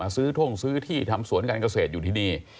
ท่งซื้อที่ทำสวนการเกษตรอยู่ที่นี่